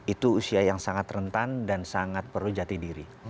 itu usia yang sangat rentan dan sangat perlu jati diri